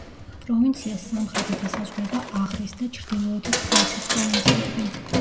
პროვინციას სამხრეთით ესაზღვრება აღრის და ჩრდილოეთით ყარსის პროვინციები.